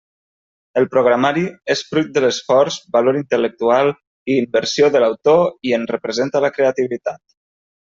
El programari és fruit de l'esforç, valor intel·lectual i inversió de l'autor i en representa la creativitat.